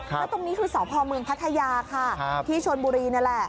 แล้วตรงนี้คือสพเมืองพัทยาค่ะที่ชนบุรีนี่แหละ